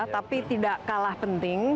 tapi tidak kalah penting